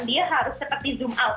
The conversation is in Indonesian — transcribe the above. dia harus seperti zoom out